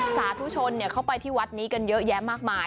สาธุชนเข้าไปที่วัดนี้กันเยอะแยะมากมาย